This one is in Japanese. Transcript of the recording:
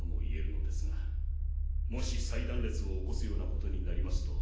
もし再断裂を起こすような事になりますと